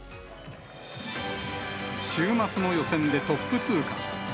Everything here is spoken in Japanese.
週末の予選でトップ通過。